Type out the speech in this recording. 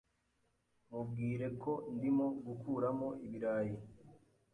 Mubwire ko ndimo gukuramo ibirayi.